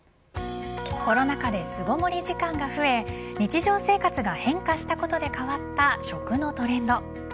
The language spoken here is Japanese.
コロナ禍で巣ごもり時間が増え日常生活が変化したことで変わった、食のトレンド。